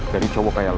dari cowok kayak lo